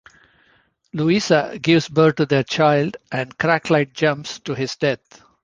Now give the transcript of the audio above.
Louisa gives birth to their child, and Kracklite jumps to his death.